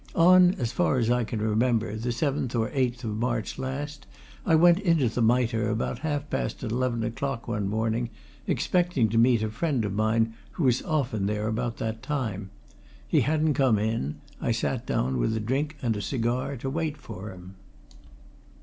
On, as far as I can remember, the seventh or eighth of March last, I went into the Mitre about half past eleven o'clock one morning, expecting to meet a friend of mine who was often there about that time. He hadn't come in I sat down with a drink and a cigar to wait for him.